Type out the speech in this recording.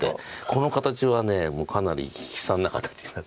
この形はもうかなり悲惨な形なんです。